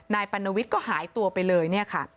นายปนวิทย์ก็หายตัวไปเลย